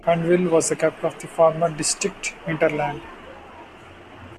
Hundwil was a capital of the former district Hinterland.